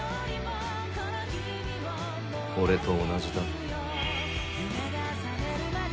俺と同じだな。